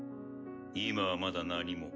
今はまだ何も。